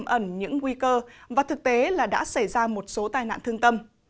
ẩn những nguy cơ và thực tế là đã xảy ra một số tai nạn thương tâm